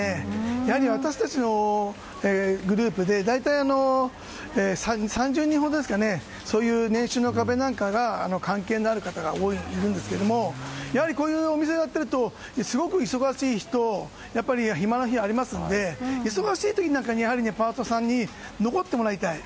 やはり私たちのグループで大体、３０人ほどそういう年収の壁なんかが関係のある方がいるんですけどこういうお店をやっているとすごく忙しい人暇な日がありますので忙しい時に、パートさんに残ってもらいたい。